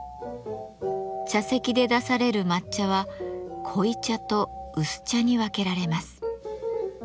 茶席で出される抹茶は濃茶と薄茶に分けられます。